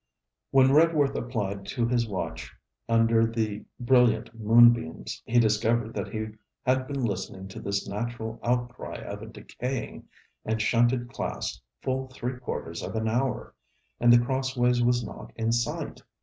When Redworth applied to his watch under the brilliant moonbeams, he discovered that he had been listening to this natural outcry of a decaying and shunted class full three quarters of an hour, and The Crossways was not in sight.